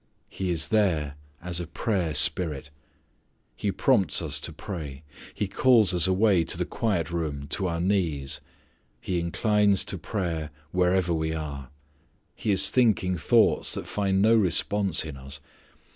He is there as a prayer spirit. He prompts us to pray. He calls us away to the quiet room to our knees. He inclines to prayer wherever we are. He is thinking thoughts that find no response in us.